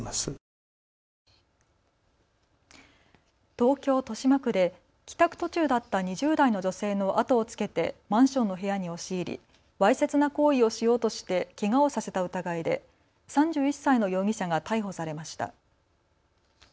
東京豊島区で帰宅途中だった２０代の女性の後をつけてマンションの部屋に押し入りわいせつな行為をしようとしてけがをさせた疑いで３１歳の容疑者が逮捕されました。